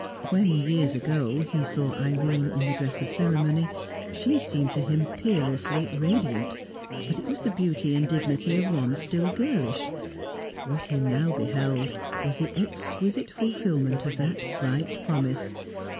When, years ago, he saw Irene in the dress of ceremony, she seemed to him peerlessly radiant; but it was the beauty and the dignity of one still girlish. What he now beheld was the exquisite fulfilment of that bright promise.